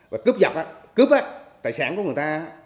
và cướp tài sản của người ta